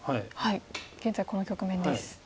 現在この局面です。